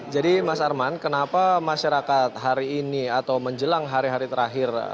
jadi mas arman kenapa masyarakat hari ini atau menjelang hari hari terakhir